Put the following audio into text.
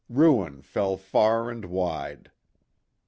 Ruin fell far and wide.